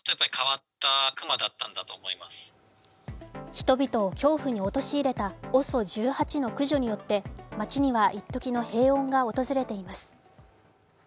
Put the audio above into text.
人々を恐怖に落とし入れたＯＳＯ１８の駆除によって街にはいっときの平穏が訪れています。